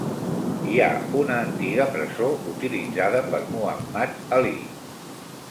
Hi ha una antiga presó utilitzada per Muhammad Ali.